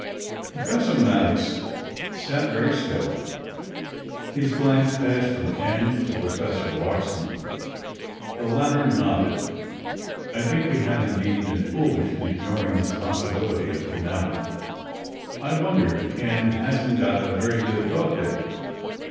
Professor Maddox sat very still. His glance passed from Ken to Professor Larsen. The latter nodded. "I think we have indeed been foolish in ignoring this possibility up to now. I wonder if Ken hasn't got a very good thought there."